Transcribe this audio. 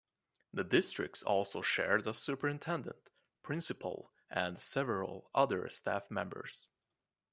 The districts also shared a superintendent, principal, and several other staff members.